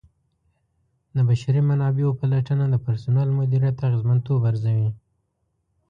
د بشري منابعو پلټنه د پرسونل مدیریت اغیزمنتوب ارزوي.